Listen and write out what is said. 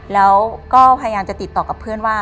แล้วก็พยายามจะติดต่อกับเพื่อนว่า